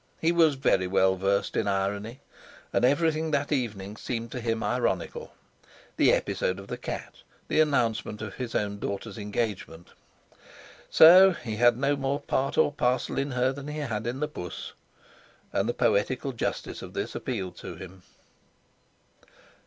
He was very well versed in irony, and everything that evening seemed to him ironical. The episode of the cat; the announcement of his own daughter's engagement. So he had no more part or parcel in her than he had in the Puss! And the poetical justice of this appealed to him.